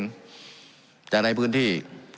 การปรับปรุงทางพื้นฐานสนามบิน